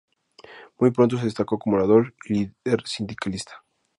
Muy pronto se destacó como orador y líder sindicalista.